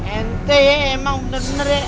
ente emang bener bener ya